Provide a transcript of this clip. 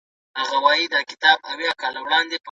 سياست پوهنه د بشري ټولنې لپاره يوه ارزښتناکه پوهه ده.